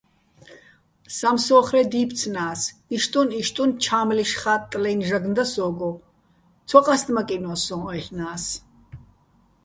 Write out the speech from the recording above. სამსო́ხრე დი́ფცნას, იშტუნ-იშტუნ ჩა́მლიშ ხაჲტტლე́ნო̆ ჟაგნო და სო́გო, ცო ყასტმაკინვა სონ-აჲლნა́ს.